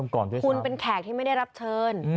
คุณเป็นแขกที่ไม่ได้รับเชิญ